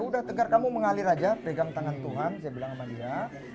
udah tegar kamu mengalir aja pegang tangan tuhan saya bilang sama dia